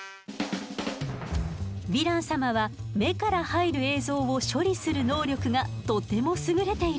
ヴィラン様は目から入る映像を処理する能力がとてもすぐれているの。